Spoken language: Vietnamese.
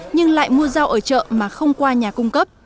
nhưng lại mua rau ở chợ mà không qua nhà cung cấp